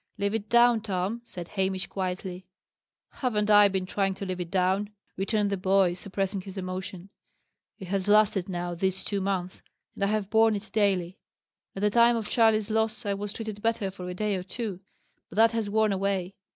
"Live it down, Tom," said Hamish quietly. "Haven't I been trying to live it down?" returned the boy, suppressing his emotion. "It has lasted now these two months, and I have borne it daily. At the time of Charley's loss I was treated better for a day or two, but that has worn away.